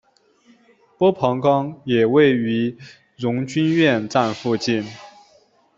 波旁宫也位于荣军院站附近。